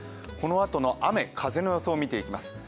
このあとの雨・風の予想を見ていきます。